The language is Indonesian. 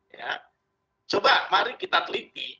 ya coba mari kita teliti